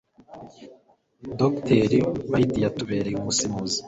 dr. white yatubereye umusemuzi